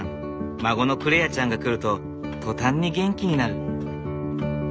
孫の來愛ちゃんが来ると途端に元気になる。